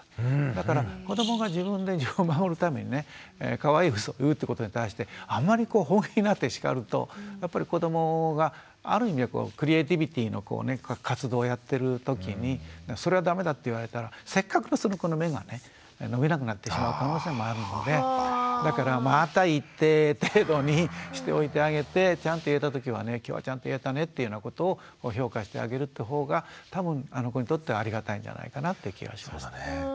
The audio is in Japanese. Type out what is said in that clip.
だから子どもが自分で自分を守るためにねかわいいうそを言うってことに対してあんまりこう本気になって叱るとやっぱり子どもがある意味でクリエーティビティーの活動をやってるときにそれはダメだって言われたらせっかくのその子の芽がね伸びなくなってしまう可能性もあるのでだから「また言って」程度にしておいてあげてちゃんと言えたときは「今日はちゃんと言えたね」っていうようなことを評価してあげるって方が多分あの子にとってはありがたいんじゃないかなって気がしましたね。